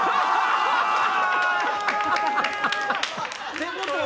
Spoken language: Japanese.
てことは？